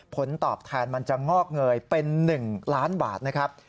ผลตอบแทนมันจะงอกเงยเป็น๑ล้านบาทนะครับ